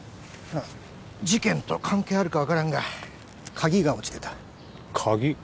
事件と関係あるか分からんが鍵が落ちてた鍵？